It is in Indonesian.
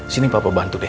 sini papa bantu deh